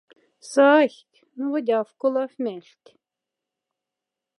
Сайхть, но вдь колаф мяльхть.